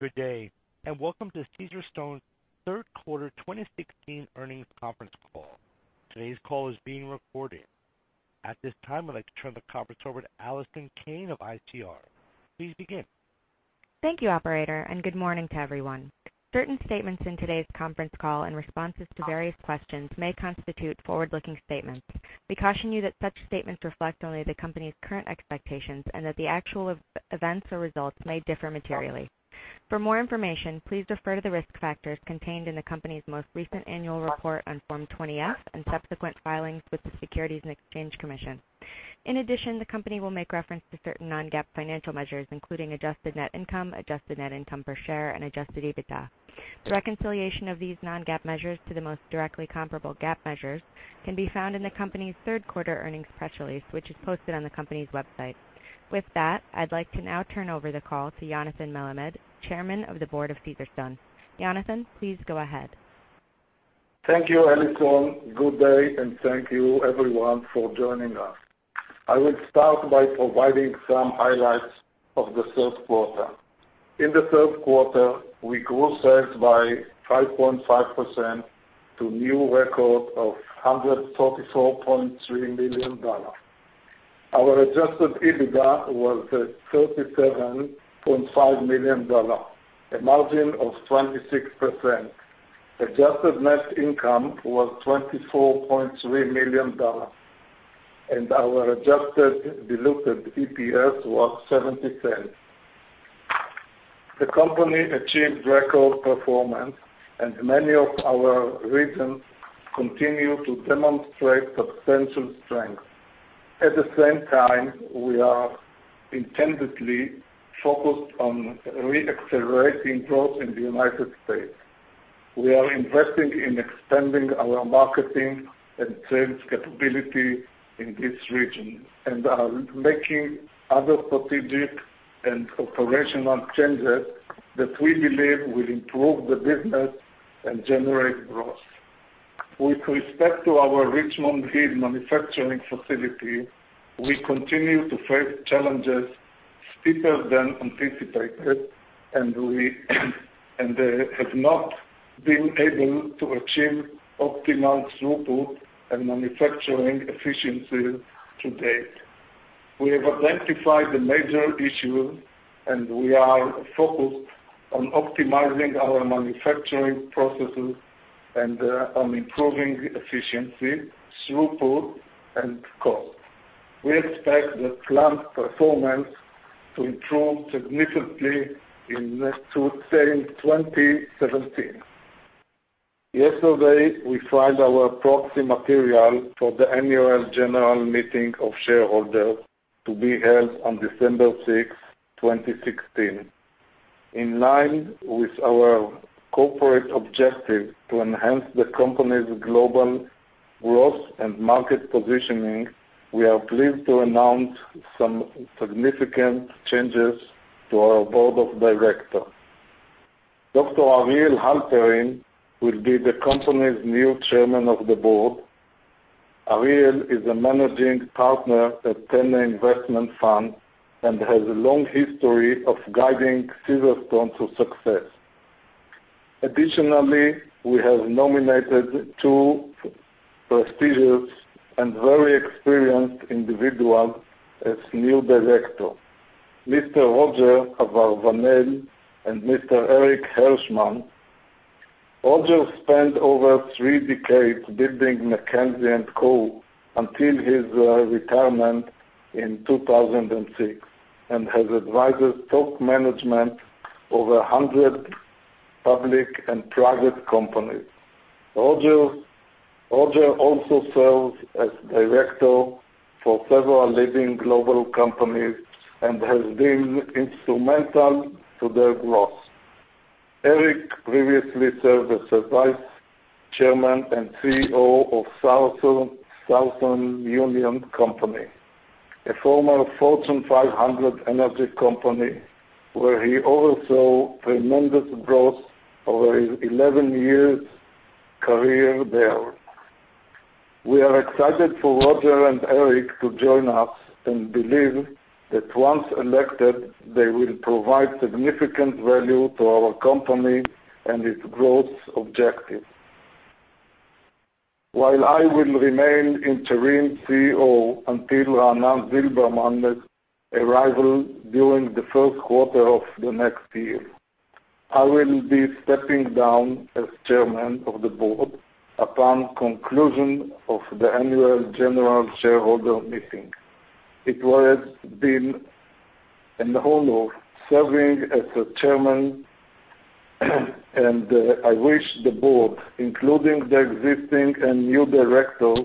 Good day, welcome to Caesarstone's third quarter 2016 earnings conference call. Today's call is being recorded. At this time, I'd like to turn the conference over to Allison Kane of ICR. Please begin. Thank you, operator, good morning to everyone. Certain statements in today's conference call and responses to various questions may constitute forward-looking statements. We caution you that such statements reflect only the company's current expectations and that the actual events or results may differ materially. For more information, please refer to the risk factors contained in the company's most recent annual report on Form 20-F and subsequent filings with the Securities and Exchange Commission. In addition, the company will make reference to certain non-GAAP financial measures, including adjusted net income, adjusted net income per share, and adjusted EBITDA. The reconciliation of these non-GAAP measures to the most directly comparable GAAP measures can be found in the company's third quarter earnings press release, which is posted on the company's website. With that, I'd like to now turn over the call to Yonathan Melamed, Chairman of the Board of Caesarstone. Yonathan, please go ahead. Thank you, Allison. Good day, thank you everyone for joining us. I will start by providing some highlights of the third quarter. In the third quarter, we grew sales by 5.5% to new record of $134.3 million. Our adjusted EBITDA was at $37.5 million, a margin of 26%. Adjusted net income was $24.3 million. Our adjusted diluted EPS was $0.70. The company achieved record performance. Many of our regions continue to demonstrate substantial strength. At the same time, we are intendedly focused on re-accelerating growth in the U.S. We are investing in expanding our marketing and sales capability in this region and are making other strategic and operational changes that we believe will improve the business and generate growth. With respect to our Richmond Hill manufacturing facility, we continue to face challenges steeper than anticipated, and we have not been able to achieve optimal throughput and manufacturing efficiency to date. We have identified the major issue, and we are focused on optimizing our manufacturing processes and on improving efficiency, throughput, and cost. We expect the plant performance to improve significantly in let's say 2017. Yesterday, we filed our proxy material for the annual general meeting of shareholders to be held on December 6, 2016. In line with our corporate objective to enhance the company's global growth and market positioning, we are pleased to announce some significant changes to our Board of Directors. Dr. Ariel Halperin will be the company's new Chairman of the Board. Ariel is a managing partner at Tene Investment Funds and has a long history of guiding Caesarstone to success. Additionally, we have nominated two prestigious and very experienced individuals as new Directors, Mr. Roger Havrilesky and Mr. Eric Herschmann. Roger spent over three decades building McKinsey & Company until his retirement in 2006 and has advised top management over 100 public and private companies. Roger also serves as Director for several leading global companies and has been instrumental to their growth. Eric previously served as the Vice Chairman and CEO of Southern Union Company, a former Fortune 500 energy company, where he oversaw tremendous growth over his 11 years career there. We are excited for Roger and Eric to join us and believe that once elected, they will provide significant value to our company and its growth objectives. While I will remain interim CEO until Raanan Zilberman's arrival during the first quarter of the next year, I will be stepping down as Chairman of the Board upon conclusion of the annual general shareholder meeting. It has been an honor serving as the Chairman, and I wish the Board, including the existing and new Directors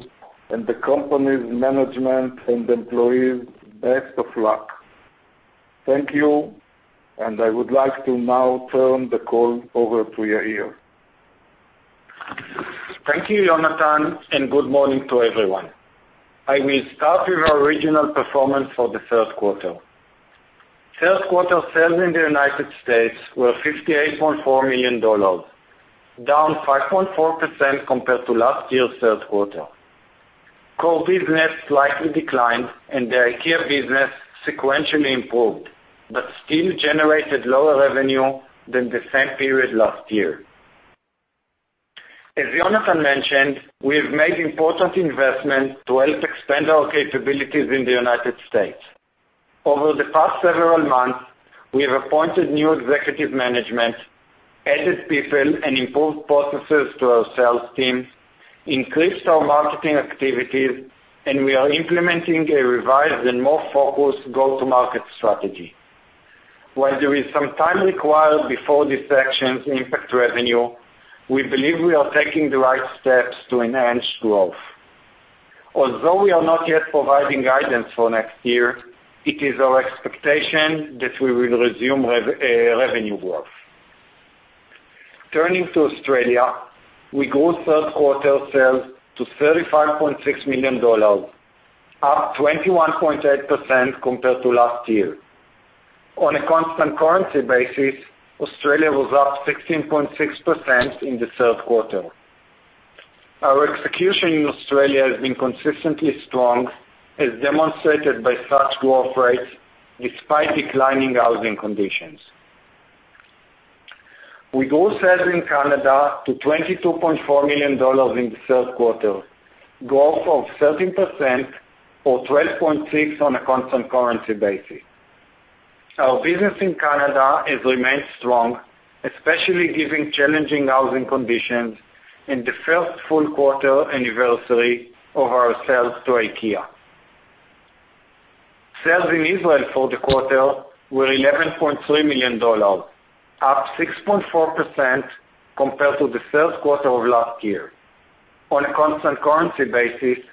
and the company's management and employees, best of luck. Thank you, and I would like to now turn the call over to Yair. Thank you, Yonathan, and good morning to everyone. I will start with our regional performance for the third quarter. Third quarter sales in the U.S. were $58.4 million, down 5.4% compared to last year's third quarter. Core business slightly declined, and the IKEA business sequentially improved but still generated lower revenue than the same period last year. As Yonathan mentioned, we have made important investments to help expand our capabilities in the U.S. Over the past several months, we have appointed new executive management, added people, and improved processes to our sales teams, increased our marketing activities, and we are implementing a revised and more focused go-to-market strategy. While there is some time required before these actions impact revenue, we believe we are taking the right steps to enhance growth. Although we are not yet providing guidance for next year, it is our expectation that we will resume revenue growth. Turning to Australia, we grew third quarter sales to $35.6 million, up 21.8% compared to last year. On a constant currency basis, Australia was up 16.6% in the third quarter. Our execution in Australia has been consistently strong, as demonstrated by such growth rates despite declining housing conditions. We grew sales in Canada to $22.4 million in the third quarter, growth of 13% or 12.6% on a constant currency basis. Our business in Canada has remained strong, especially given challenging housing conditions in the first full quarter anniversary of our sales to IKEA. Sales in Israel for the quarter were $11.3 million, up 6.4% compared to the third quarter of last year. On a constant currency basis,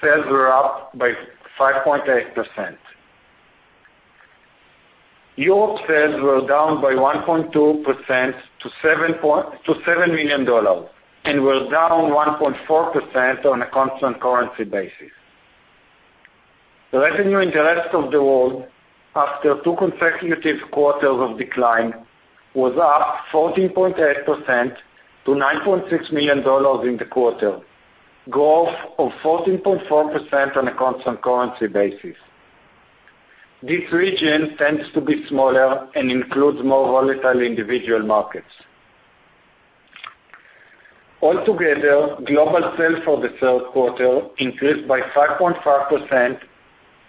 sales were up by 5.8%. Europe sales were down by 1.2% to $7 million and were down 1.4% on a constant currency basis. The revenue in the rest of the world, after two consecutive quarters of decline, was up 14.8% to $9.6 million in the quarter, growth of 14.4% on a constant currency basis. This region tends to be smaller and includes more volatile individual markets. Altogether, global sales for the third quarter increased by 5.5%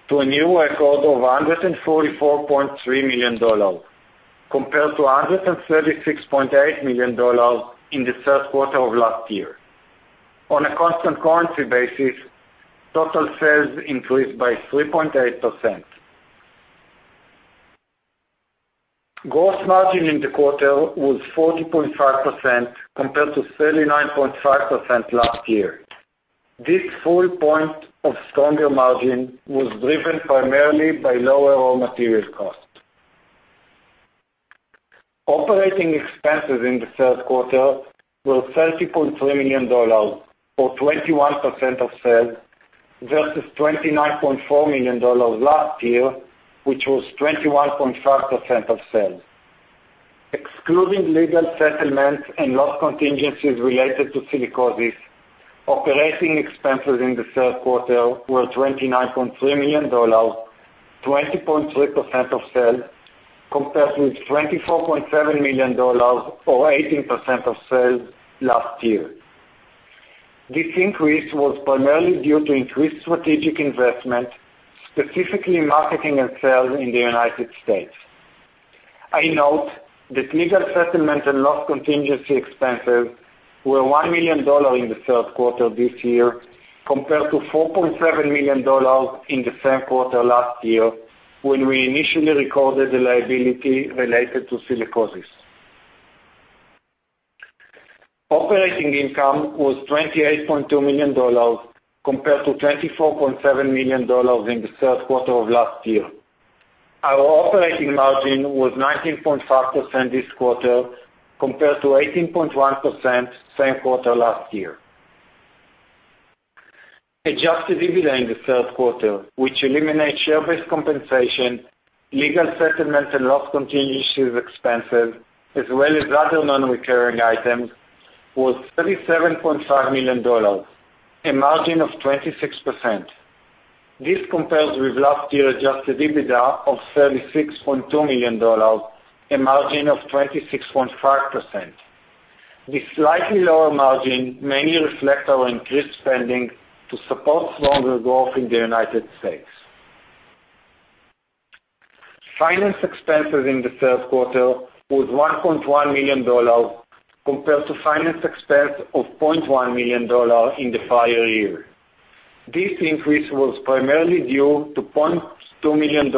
to a new record of $144.3 million, compared to $136.8 million in the third quarter of last year. On a constant currency basis, total sales increased by 3.8%. Gross margin in the quarter was 40.5% compared to 39.5% last year. This full point of stronger margin was driven primarily by lower raw material costs. Operating expenses in the third quarter were $30.3 million or 21% of sales versus $29.4 million last year, which was 21.5% of sales. Excluding legal settlements and loss contingencies related to silicosis, operating expenses in the third quarter were $29.3 million, 20.3% of sales, compared with $24.7 million or 18% of sales last year. This increase was primarily due to increased strategic investment, specifically in marketing and sales in the U.S. I note that legal settlement and loss contingency expenses were $1 million in the third quarter this year, compared to $4.7 million in the same quarter last year when we initially recorded the liability related to silicosis. Operating income was $28.2 million, compared to $24.7 million in the third quarter of last year. Our operating margin was 19.5% this quarter, compared to 18.1% same quarter last year. Adjusted EBITDA in the third quarter, which eliminates share-based compensation, legal settlements, and loss contingencies expenses, as well as other non-recurring items, was $37.5 million, a margin of 26%. This compares with last year's adjusted EBITDA of $36.2 million, a margin of 26.5%. This slightly lower margin mainly reflects our increased spending to support stronger growth in the U.S. Finance expenses in the third quarter were $1.1 million, compared to finance expense of $0.1 million in the prior year. This increase was primarily due to $0.2 million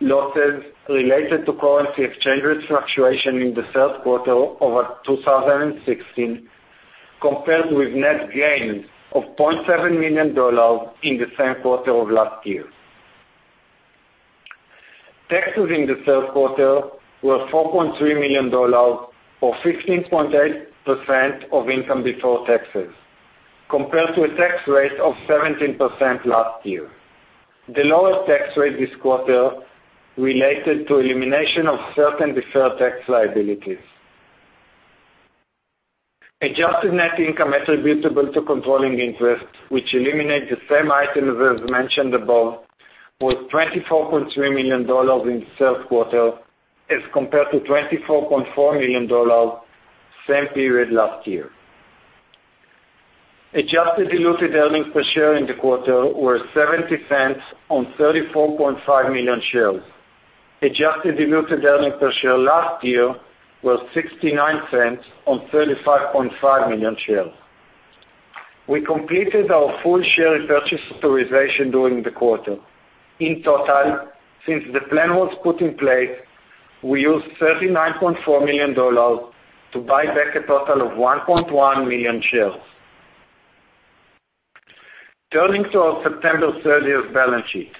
losses related to currency exchange rate fluctuation in the third quarter of 2016, compared with net gains of $0.7 million in the same quarter of last year. Taxes in the third quarter were $4.3 million or 15.8% of income before taxes, compared to a tax rate of 17% last year. The lower tax rate this quarter related to elimination of certain deferred tax liabilities. Adjusted net income attributable to controlling interest, which eliminate the same item as mentioned above, was $24.3 million in the third quarter as compared to $24.4 million same period last year. Adjusted diluted earnings per share in the quarter were $0.70 on 34.5 million shares. Adjusted diluted earnings per share last year was $0.69 on 35.5 million shares. We completed our full share repurchase authorization during the quarter. In total, since the plan was put in place, we used $39.4 million to buy back a total of 1.1 million shares. Turning to our September 30th balance sheet,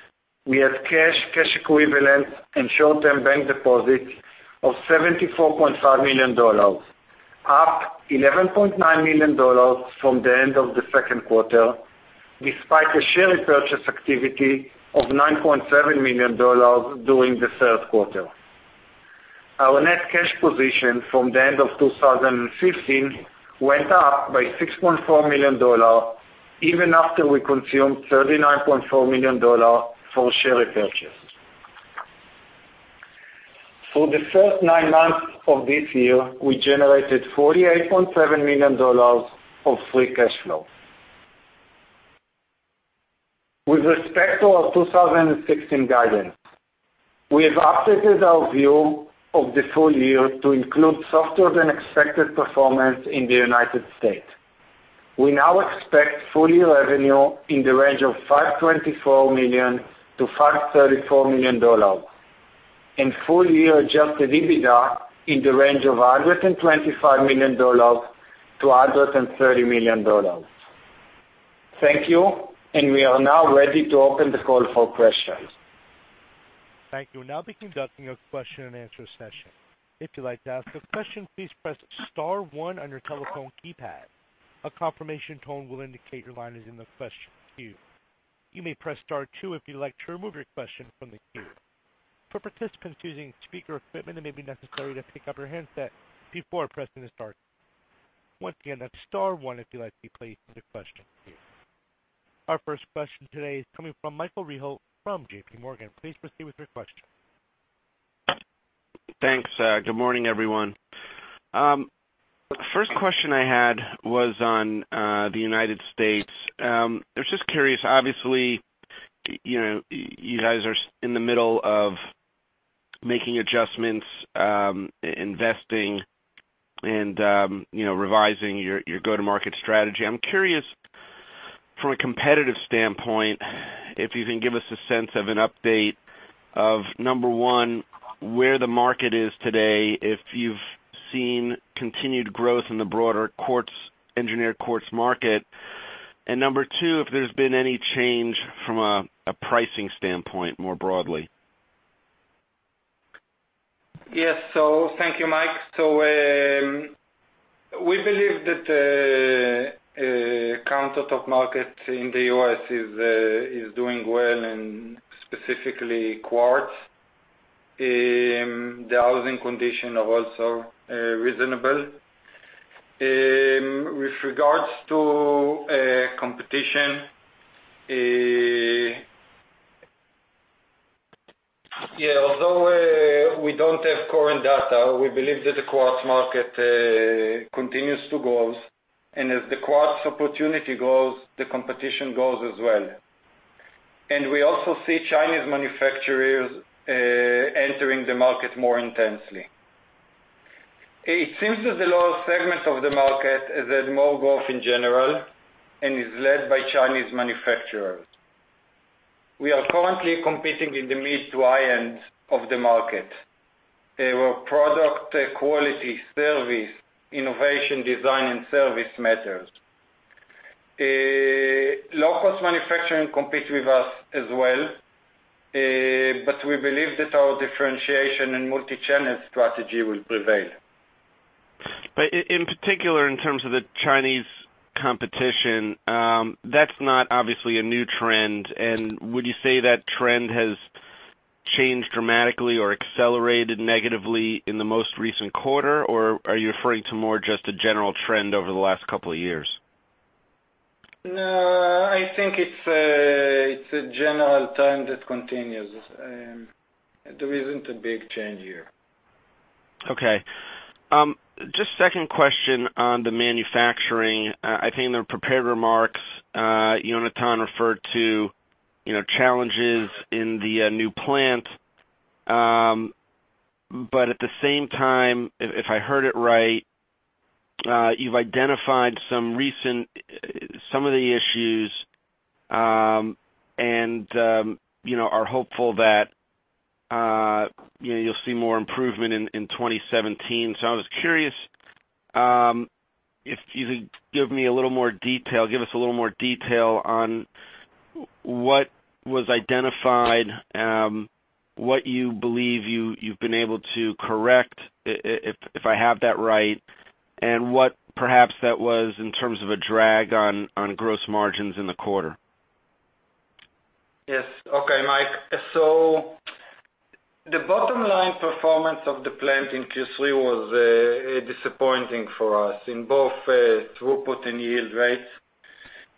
we had cash equivalents, and short-term bank deposits of $74.5 million, up $11.9 million from the end of the second quarter, despite a share repurchase activity of $9.7 million during the third quarter. Our net cash position from the end of 2015 went up by $6.4 million even after we consumed $39.4 million for share repurchase. For the first nine months of this year, we generated $48.7 million of free cash flow. With respect to our 2016 guidance, we have updated our view of the full year to include softer-than-expected performance in the U.S. We now expect full-year revenue in the range of $524 million-$534 million, and full-year adjusted EBITDA in the range of $125 million-$130 million. Thank you. We are now ready to open the call for questions. Thank you. We'll now be conducting a question and answer session. If you'd like to ask a question, please press star one on your telephone keypad. A confirmation tone will indicate your line is in the question queue. You may press star two if you'd like to remove your question from the queue. For participants using speaker equipment, it may be necessary to pick up your handset before pressing the star key. Once again, that's star one if you'd like to be placed in the question queue. Our first question today is coming from Michael Rehaut from J.P. Morgan. Please proceed with your question. Thanks. Good morning, everyone. First question I had was on the U.S. I was just curious, obviously, you guys are in the middle of making adjustments, investing, and revising your go-to-market strategy. I'm curious from a competitive standpoint, if you can give us a sense of an update of, number 1, where the market is today, if you've seen continued growth in the broader engineered quartz market. Number 2, if there's been any change from a pricing standpoint, more broadly. Yes. Thank you, Mike. We believe that the countertop market in the U.S. is doing well, and specifically quartz. The housing condition are also reasonable. With regards to competition, although we do not have current data, we believe that the quartz market continues to grow, and as the quartz opportunity grows, the competition grows as well. And we also see Chinese manufacturers entering the market more intensely. It seems that the lower segment of the market has had more growth in general and is led by Chinese manufacturers. We are currently competing in the mid-to-high-end of the market, where product quality, service, innovation, design, and service matters. Low-cost manufacturing competes with us as well, but we believe that our differentiation and multi-channel strategy will prevail. In particular, in terms of the Chinese competition, that's not obviously a new trend, and would you say that trend has changed dramatically or accelerated negatively in the most recent quarter? Or are you referring to more just a general trend over the last couple of years? No, I think it's a general trend that continues. There isn't a big change here. Okay. Just second question on the manufacturing. I think in the prepared remarks, Yonathan referred to challenges in the new plant. But at the same time, if I heard it right, you've identified some of the issues, and are hopeful that you'll see more improvement in 2017. So I was curious if you could give us a little more detail on what was identified, what you believe you've been able to correct, if I have that right, and what perhaps that was in terms of a drag on gross margins in the quarter? Yes. Okay, Mike. The bottom line performance of the plant in Q3 was disappointing for us in both throughput and yield rates.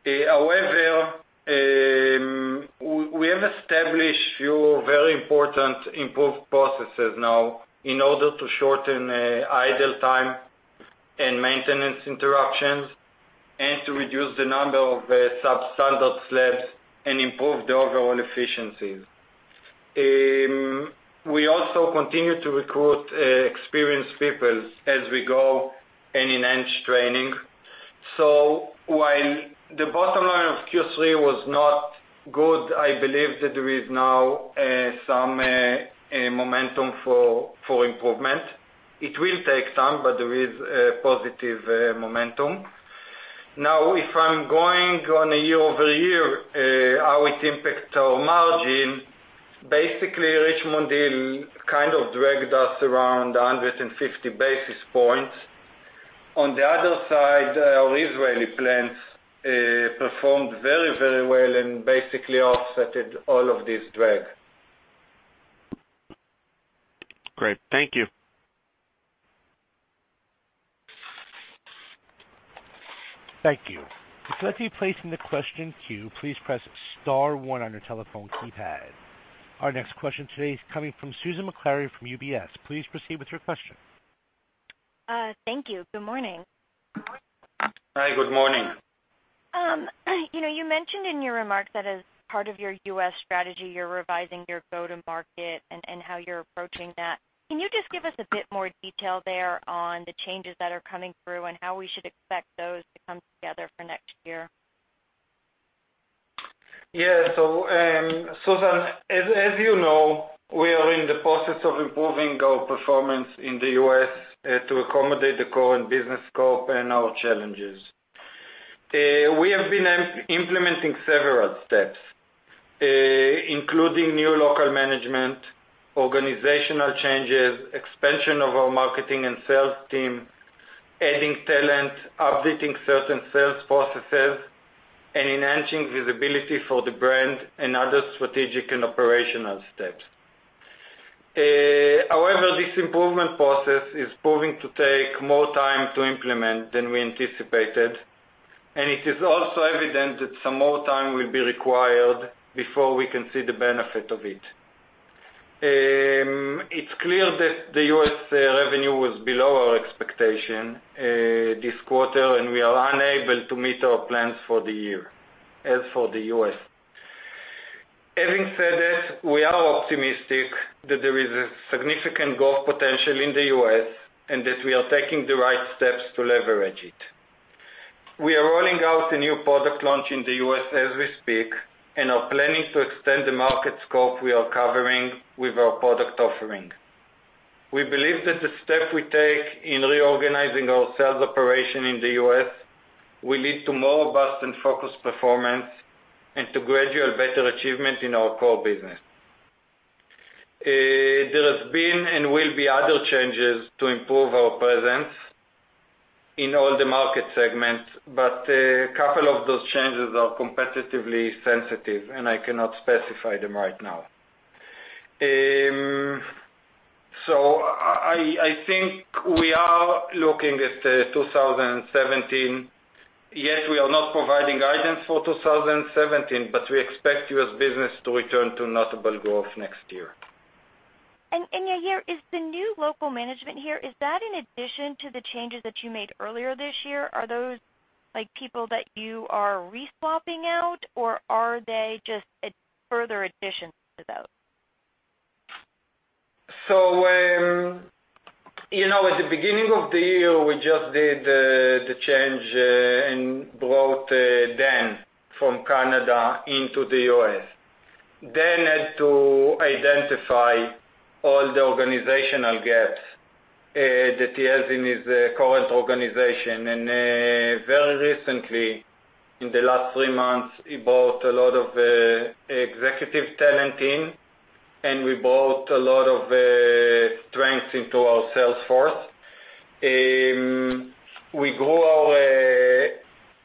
However, we have established few very important improved processes now in order to shorten idle time and maintenance interruptions, and to reduce the number of substandard slabs and improve the overall efficiencies. We also continue to recruit experienced people as we go and enhance training. While the bottom line of Q3 was not good, I believe that there is now some momentum for improvement. It will take time, but there is a positive momentum. If I'm going on a year-over-year, how it impacts our margin, basically, Richmond Hill kind of dragged us around 150 basis points. On the other side, our Israeli plants performed very well and basically offset all of this drag. Great. Thank you. Thank you. To continue placing the question queue, please press *1 on your telephone keypad. Our next question today is coming from Susan Maklari from UBS. Please proceed with your question. Thank you. Good morning. Hi, good morning. You mentioned in your remarks that as part of your U.S. strategy, you're revising your go-to-market and how you're approaching that. Can you just give us a bit more detail there on the changes that are coming through and how we should expect those to come together for next year? Yeah. Susan, as you know, we are in the process of improving our performance in the U.S. to accommodate the current business scope and our challenges. We have been implementing several steps, including new local management, organizational changes, expansion of our marketing and sales team, adding talent, updating certain sales processes, and enhancing visibility for the brand and other strategic and operational steps. However, this improvement process is proving to take more time to implement than we anticipated, and it is also evident that some more time will be required before we can see the benefit of it. It's clear that the U.S. revenue was below our expectation this quarter, and we are unable to meet our plans for the year, as for the U.S. Having said that, we are optimistic that there is a significant growth potential in the U.S. and that we are taking the right steps to leverage it. We are rolling out a new product launch in the U.S. as we speak and are planning to extend the market scope we are covering with our product offering. We believe that the steps we take in reorganizing our sales operation in the U.S. will lead to more robust and focused performance and to gradual better achievement in our core business. There has been and will be other changes to improve our presence in all the market segments, but a couple of those changes are competitively sensitive and I cannot specify them right now. I think we are looking at 2017. Yes, we are not providing guidance for 2017, but we expect U.S. business to return to notable growth next year. Yair, is the new local management here, is that in addition to the changes that you made earlier this year? Are those people that you are re-swapping out, or are they just a further addition to those? At the beginning of the year, we just did the change and brought Dan from Canada into the U.S. Dan had to identify all the organizational gaps that he has in his current organization. Very recently, in the last three months, he brought a lot of executive talent in, and we brought a lot of strength into our sales force. We grew our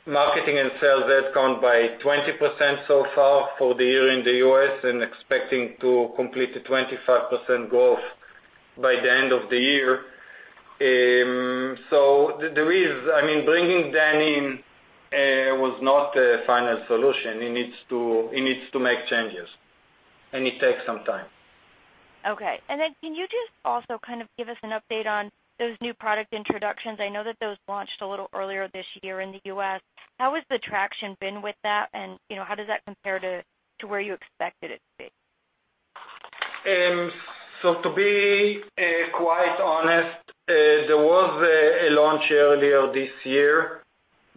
marketing and sales ad count by 20% so far for the year in the U.S., expecting to complete a 25% growth by the end of the year. Bringing Dan in was not a final solution. He needs to make changes, and it takes some time. Okay. Can you just also kind of give us an update on those new product introductions? I know that those launched a little earlier this year in the U.S. How has the traction been with that, and how does that compare to where you expected it to be? To be quite honest, there was a launch earlier this year,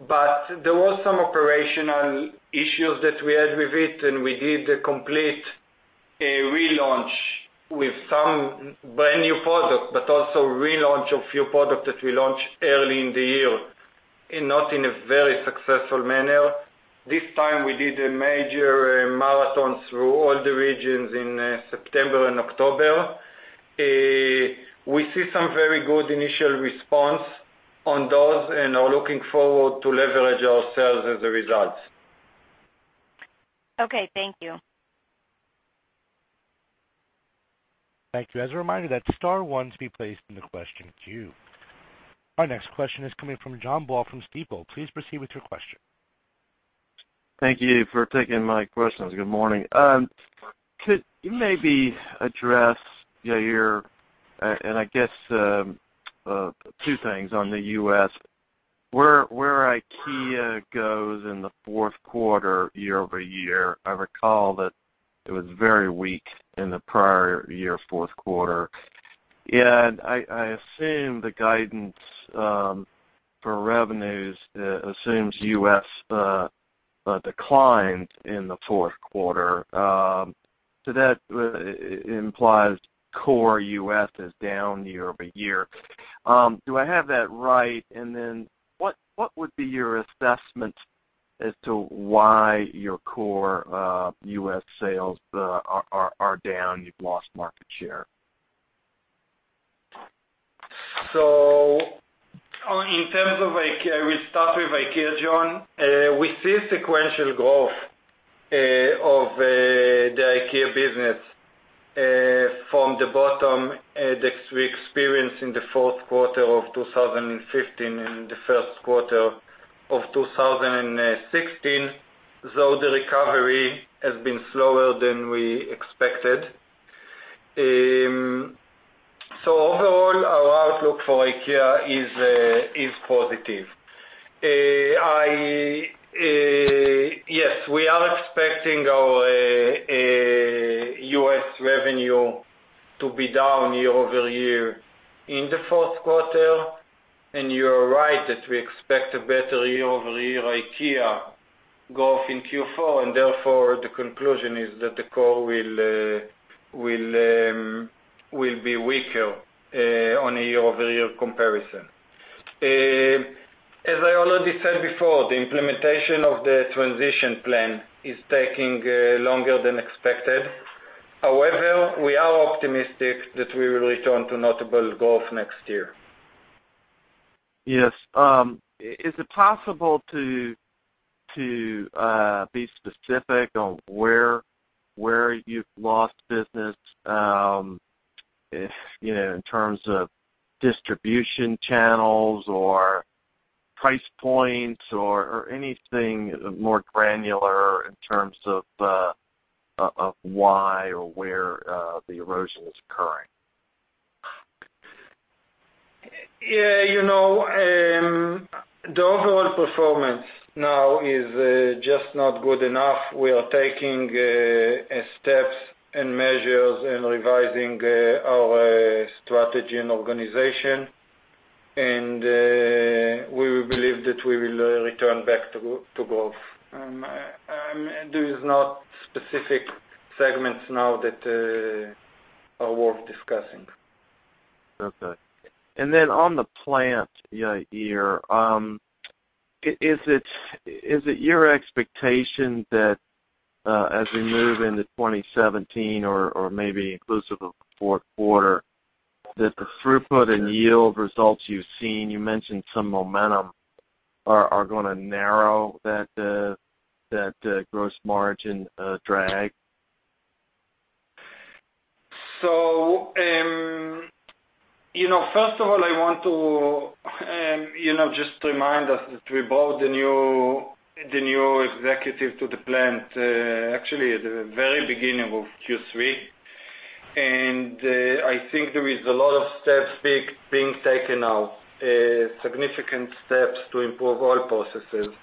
there was some operational issues that we had with it, we did a complete relaunch with some brand-new product, also relaunch of few product that we launched early in the year, not in a very successful manner. This time, we did a major marathon through all the regions in September and October. We see some very good initial response on those and are looking forward to leverage ourselves as the results. Okay, thank you. Thank you. As a reminder, that's star one to be placed in the question queue. Our next question is coming from John Baugh from Stifel. Please proceed with your question. Thank you for taking my questions. Good morning. Could you maybe address your, I guess, two things on the U.S., where IKEA goes in the fourth quarter year-over-year? I recall that it was very weak in the prior year fourth quarter. I assume the guidance for revenues assumes U.S. declined in the fourth quarter. That implies core U.S. is down year-over-year. Do I have that right? What would be your assessment as to why your core U.S. sales are down, you've lost market share? In terms of IKEA, we'll start with IKEA, John. We see sequential growth of the IKEA business from the bottom that we experienced in the fourth quarter of 2015 and the first quarter of 2016, though the recovery has been slower than we expected. Overall, our outlook for IKEA is positive. Yes, we are expecting our U.S. revenue to be down year-over-year in the fourth quarter, and you are right that we expect a better year-over-year IKEA growth in Q4, and therefore, the conclusion is that the core will be weaker on a year-over-year comparison. As I already said before, the implementation of the transition plan is taking longer than expected. However, we are optimistic that we will return to notable growth next year. Yes. Is it possible to be specific on where you've lost business, in terms of distribution channels or price points or anything more granular in terms of why or where the erosion is occurring? Yeah. The overall performance now is just not good enough. We are taking steps and measures and revising our strategy and organization, and we believe that we will return back to growth. There is no specific segments now that are worth discussing. Okay. On the plant Yair, is it your expectation that, as we move into 2017 or maybe inclusive of the fourth quarter, that the throughput and yield results you've seen, you mentioned some momentum, are going to narrow that gross margin drag? First of all, I want to just remind us that we brought the new executive to the plant, actually, at the very beginning of Q3, and I think there is a lot of steps being taken now, significant steps to improve all processes.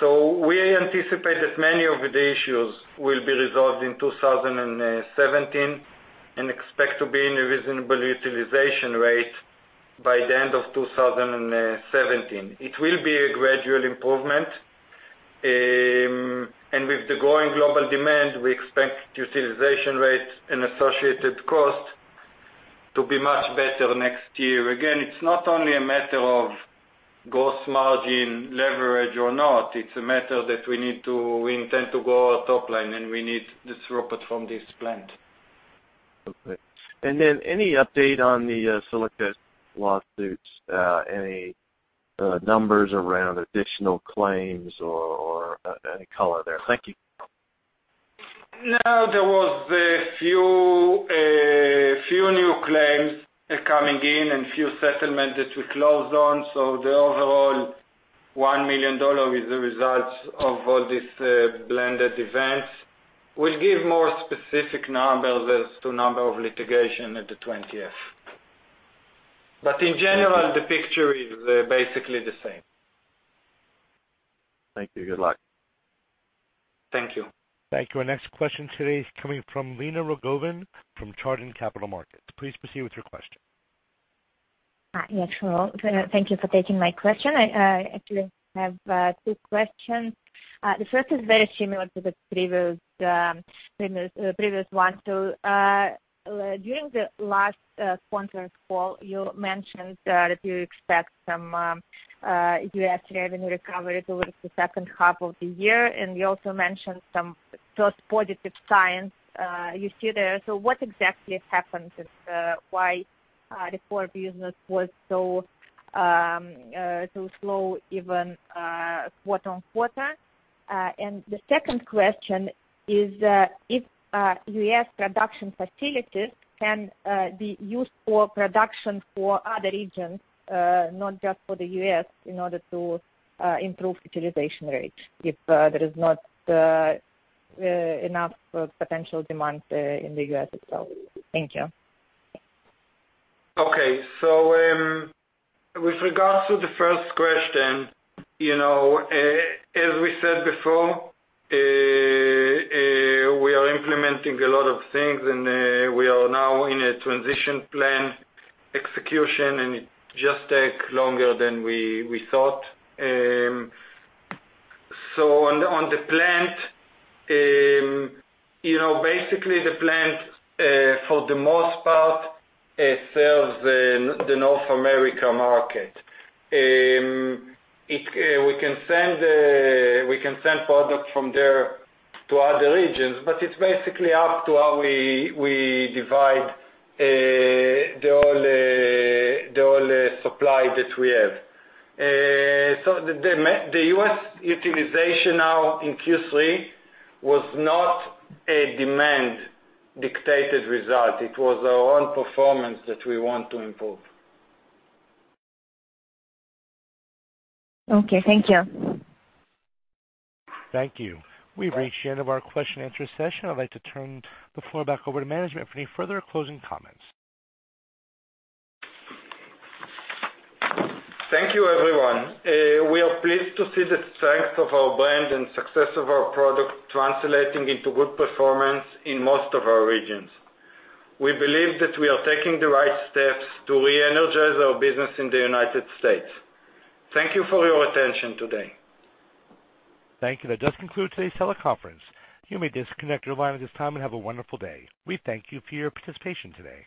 We anticipate that many of the issues will be resolved in 2017 and expect to be in a reasonable utilization rate by the end of 2017. It will be a gradual improvement, and with the growing global demand, we expect utilization rates and associated cost to be much better next year. Again, it's not only a matter of gross margin leverage or not, it's a matter that we intend to grow our top line, and we need this throughput from this plant. Okay. Any update on the silica lawsuits? Any numbers around additional claims or any color there? Thank you. No, there was a few new claims coming in and few settlements that we closed on, the overall $1 million is the results of all these blended events. We'll give more specific numbers as to number of litigation at the 20-F. In general, the picture is basically the same. Thank you. Good luck. Thank you. Thank you. Our next question today is coming from Lina Rogova from Chardan Capital Markets. Please proceed with your question. Yes. Thank you for taking my question. I actually have two questions. The first is very similar to the previous one. During the last conference call, you mentioned that you expect some U.S. revenue recovery towards the second half of the year, and you also mentioned some positive signs you see there. What exactly happened, and why the core business was so slow even quarter-on-quarter. The second question is, if U.S. production facilities can be used for production for other regions, not just for the U.S., in order to improve utilization rates, if there is not enough potential demand in the U.S. as well. Thank you. Okay. With regards to the first question, as we said before, we are implementing a lot of things, and we are now in a transition plan execution, and it just take longer than we thought. Basically the plant, for the most part, it serves the North America market. We can send product from there to other regions, but it's basically up to how we divide the all supply that we have. The U.S. utilization now in Q3 was not a demand-dictated result. It was our own performance that we want to improve. Okay. Thank you. Thank you. We've reached the end of our question and answer session. I'd like to turn the floor back over to management for any further closing comments. Thank you, everyone. We are pleased to see the strength of our brand and success of our product translating into good performance in most of our regions. We believe that we are taking the right steps to re-energize our business in the U.S. Thank you for your attention today. Thank you. That does conclude today's teleconference. You may disconnect your line at this time and have a wonderful day. We thank you for your participation today.